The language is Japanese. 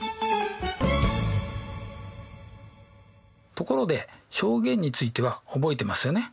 ところで象限については覚えてますよね？